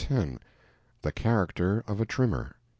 THE THE CHARACTER OF A TRIMMER.